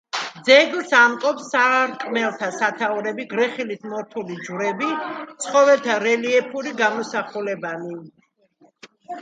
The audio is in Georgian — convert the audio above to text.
ძეგლს ამკობს სარკმელთა სათაურები, გრეხილით მორთული ჯვრები, ცხოველთა რელიეფური გამოსახულებანი.